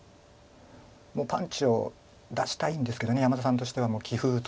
もうパンチを出したいんですけど山田さんとしてはもう棋風としても。